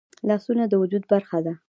لاسونه د وجود برخه ده